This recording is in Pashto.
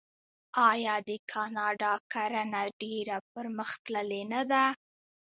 آیا د کاناډا کرنه ډیره پرمختللې نه ده؟